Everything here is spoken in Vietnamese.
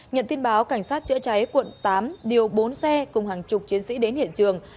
nhận tin báo cảnh sát chữa cháy quận tám điều bốn xe cùng hàng chục chiến sĩ đến hiện trường